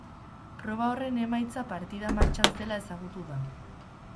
Proba horren emaitza partida martxan zela ezagutu da.